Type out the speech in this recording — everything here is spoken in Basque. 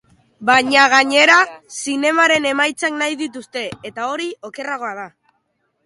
Baina, gainera, zinemaren emaitzak nahi dituzte, eta hori okerragoa da.